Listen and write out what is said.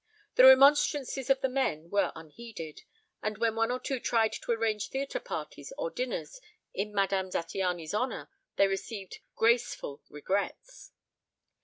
The remonstrances of the men were unheeded, and when one or two tried to arrange theatre parties or dinners in Madame Zattiany's honor they received graceful regrets.